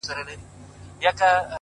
زړه دودومه زړه د حُسن و لمبو ته سپارم”